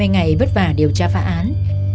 hai mươi ngày bất vả điều tra phá án